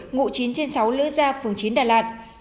ngụ chín trên sáu lưỡi da phường chín đà lạt